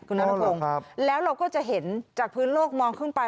คุณนัทพงศ์แล้วเราก็จะเห็นจากพื้นโลกมองขึ้นไป